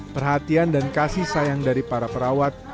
perhatian dan kasih sayang dari para perawat